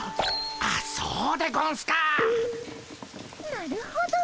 なるほど。